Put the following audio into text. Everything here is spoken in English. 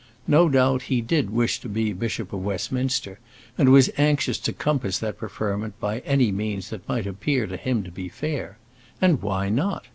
No doubt he did wish to be Bishop of Westminster, and was anxious to compass that preferment by any means that might appear to him to be fair. And why not?